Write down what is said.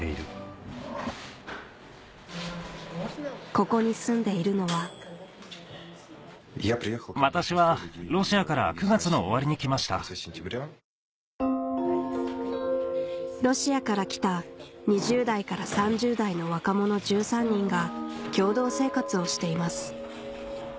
ここに住んでいるのはロシアから来た２０代から３０代の若者１３人が共同生活をしています